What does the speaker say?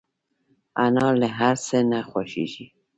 انا له هر څه نه خوښيږي